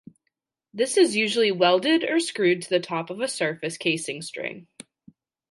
This is usually welded or screwed to the top of the surface casing string.